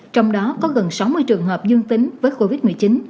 trong đó có gần sáu mươi trường hợp dương tính với covid một mươi chín